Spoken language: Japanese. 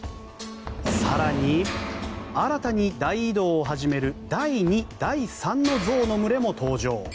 更に、新たに大移動を始める第２、第３の象の群れも登場。